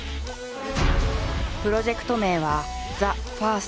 プロジェクト名は「ＴＨＥＦＩＲＳＴ」。